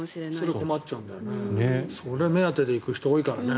それ目当てで行く人多いから。